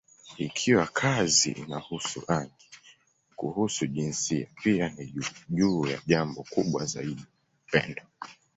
Ikiwa kazi inahusu rangi, kuhusu jinsia, pia ni juu ya jambo kubwa zaidi: upendo.